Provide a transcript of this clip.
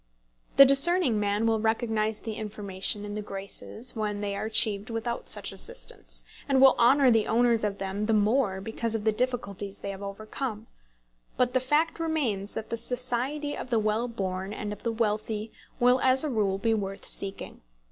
The discerning man will recognise the information and the graces when they are achieved without such assistance, and will honour the owners of them the more because of the difficulties they have overcome; but the fact remains that the society of the well born and of the wealthy will as a rule be worth seeking.